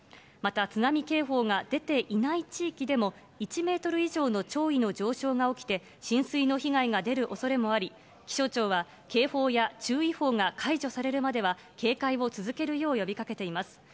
また、津波警報が出ていない地域でも、１メートル以上の潮位の上昇が起きて、浸水の被害が出るおそれもあり、気象庁は警報や注意報が解除されるまでは警戒を続けるよう呼びかけています。